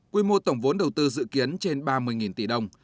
quy mô tổng vốn đầu tư dự kiến trên ba mươi tỷ đồng